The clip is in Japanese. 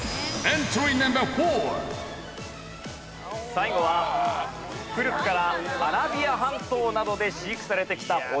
最後は古くからアラビア半島などで飼育されてきた哺乳類。